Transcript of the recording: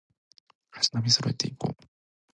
足並み揃えていこう